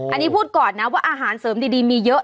อันนี้พูดก่อนนะว่าอาหารเสริมดีมีเยอะ